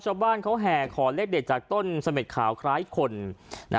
ชาวบ้านเขาแห่ขอเลขเด็ดจากต้นเสม็ดขาวคล้ายคนนะ